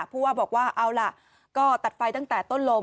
ผู้ว่าบอกว่าเอาล่ะก็ตัดไฟตั้งแต่ต้นลม